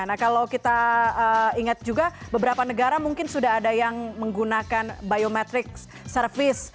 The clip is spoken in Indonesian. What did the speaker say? nah kalau kita ingat juga beberapa negara mungkin sudah ada yang menggunakan biometrics service